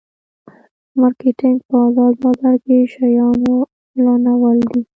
مارکیټینګ په ازاد بازار کې د شیانو اعلانول دي.